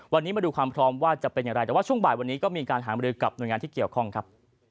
วันนี้มาดูความพร้อมว่าจะเป็นอย่างไรแต่ว่าช่วงบ่ายวันนี้ก็มีการหามรือกับหน่วยงานที่เกี่ยวข้องครับ